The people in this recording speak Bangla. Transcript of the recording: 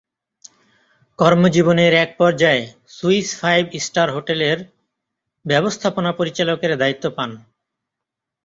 কর্মজীবনের এক পর্যায়ে "সুইস ফাইভ-স্টার হোটেলের" ব্যবস্থাপনা পরিচালকের দায়িত্ব পান।